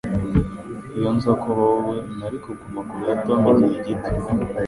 Iyo nza kuba wowe, nari kuguma kure ya Tom igihe gito.